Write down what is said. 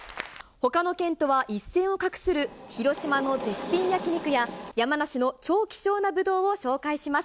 ほかの県とは一線を画する広島の絶品焼き肉や、山梨の超希少なぶどうを紹介します。